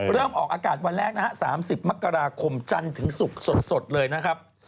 ออกอากาศวันแรกนะฮะ๓๐มกราคมจันทร์ถึงศุกร์สดเลยนะครับ